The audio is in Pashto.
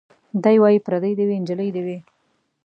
دی وايي پرېدۍ دي وي نجلۍ دي وي